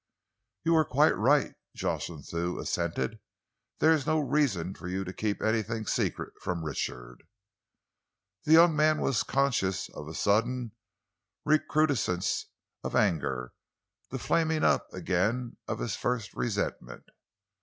"You were quite right," Jocelyn Thew assented. "There is no reason for you to keep anything secret from Richard." The young man was conscious of a sudden recrudescence of anger, the flaming up again of his first resentment.